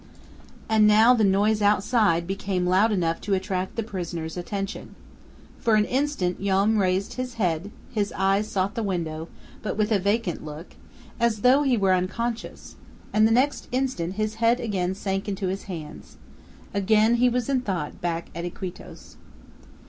And now the noise outside became loud enough to attract the prisoner's attention. For an instant Joam raised his head; his eyes sought the window, but with a vacant look, as though he were unconscious, and the next instant his head again sank into his hands. Again he was in thought back at Iquitos.